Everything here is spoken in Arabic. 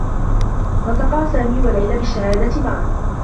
نطقا سامي و ليلى بالشّهادة معا.